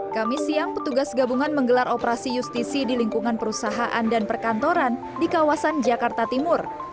kami siang petugas gabungan menggelar operasi justisi di lingkungan perusahaan dan perkantoran di kawasan jakarta timur